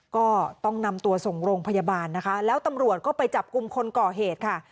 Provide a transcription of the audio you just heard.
ก็ต้องนำตัวส่งโรงพยาบาลนะคะแล้วตำรวจก็ไปจับกลุ่มคนก่อเหตุค่ะ